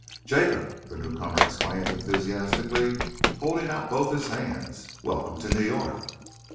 "Jacob!" the newcomer exclaimed enthusiastically, holding out both his hands. "Welcome to New York!"